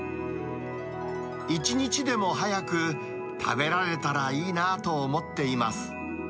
一日でも早く食べられたらいいなぁと思っています。